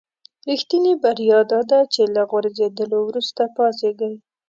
رښتینې بریا داده چې له غورځېدلو وروسته پاڅېږئ.